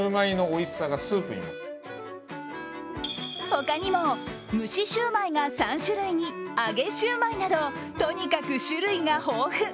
他にも、蒸しシュウマイが３種類に揚げシュウマイなどとにかく種類が豊富。